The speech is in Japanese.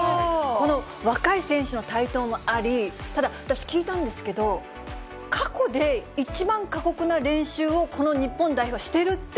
この若い選手の台頭もあり、ただ私、聞いたんですけど、過去で一番過酷な練習を、この日本代表はしているって。